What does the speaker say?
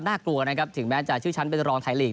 น่ากลัวนะครับถึงแม้จะชื่อชั้นเป็นรองไทยลีก